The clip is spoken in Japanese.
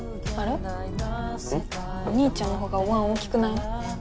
お兄ちゃんのほうがおわん大きくない？